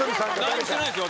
何もしてないですよ